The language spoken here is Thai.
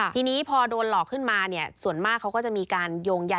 ทีนี้พอโดนหลอกขึ้นมาเนี่ยส่วนมากเขาก็จะมีการโยงใย